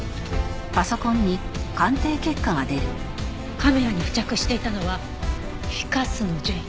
カメラに付着していたのはフィカスの樹液。